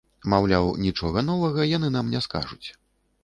Маўляў, нічога новага яны нам не скажуць.